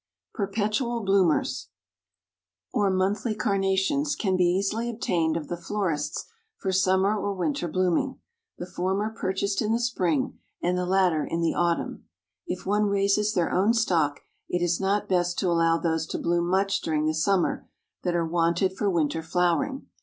PERPETUAL BLOOMERS, Or Monthly Carnations, can be easily obtained of the florists for summer or winter blooming; the former purchased in the spring, and the latter in the autumn. If one raises their own stock, it is not best to allow those to bloom much during the summer that are wanted for winter flowering.